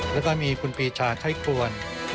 แล้วก็มีคุณปีชาไข้ควร